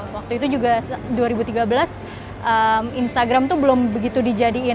waktu itu juga dua ribu tiga belas instagram tuh belum begitu dijadiin